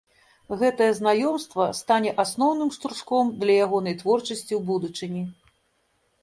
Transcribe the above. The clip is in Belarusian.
Гэтае знаёмства стане асноўным штуршком для ягонай творчасці ў будучыні.